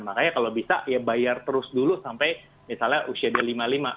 makanya kalau bisa ya bayar terus dulu sampai misalnya usia dia lima puluh lima